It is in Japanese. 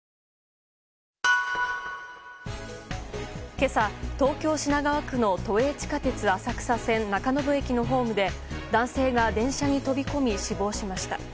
今朝、東京・品川区の都営地下鉄浅草線中延駅のホームで男性が電車に飛び込み死亡しました。